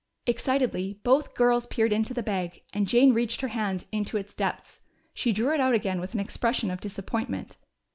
Excitedly both girls peered into the bag, and Jane reached her hand into its depths. She drew it out again with an expression of disappointment.